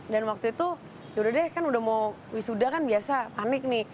dan waktu itu yaudah deh kan udah mau wisuda kan biasa panik nih